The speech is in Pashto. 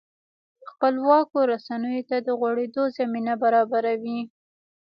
خپلواکو رسنیو ته د غوړېدو زمینه برابروي.